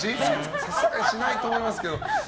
さすがにしないと思いますけど。